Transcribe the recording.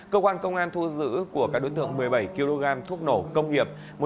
cơ quan công an thu giữ của các đối tượng một mươi bảy kg thuốc nổ công nghiệp